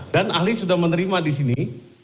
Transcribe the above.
dan ahli sudah menerima disini